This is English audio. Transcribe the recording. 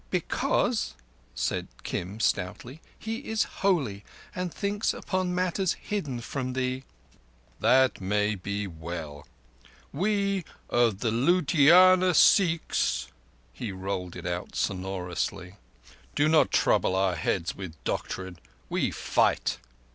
"Because," said Kim stoutly, "he is holy, and thinks upon matters hidden from thee." "That may be well. We of the Ludhiana Sikhs"—he rolled it out sonorously—"do not trouble our heads with doctrine. We fight."